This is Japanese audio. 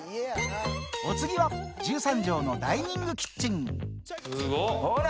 お次は１３帖のダイニングキッチンほら！